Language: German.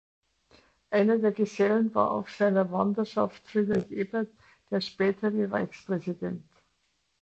Einer der Gesellen war auf seiner Wanderschaft Friedrich Ebert, der spätere Reichspräsident.